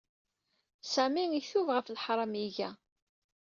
Sami itub ɣef leḥṛam ay iga.